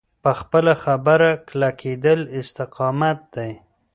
په خپله خبره کلکېدل استقامت دی.